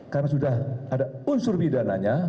karena sudah ada unsur bidananya